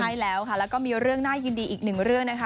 ใช่แล้วค่ะแล้วก็มีเรื่องน่ายินดีอีกหนึ่งเรื่องนะคะ